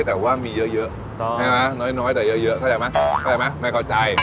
แต่ว่ามีเยอะเข้าใจไหมไม่เข้าใจ